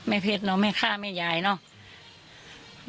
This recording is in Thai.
แม่เผ็ดเนาะเม่ค่าแม่ยายเนาะ